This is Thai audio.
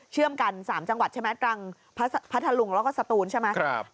กัน๓จังหวัดใช่ไหมตรังพัทธลุงแล้วก็สตูนใช่ไหม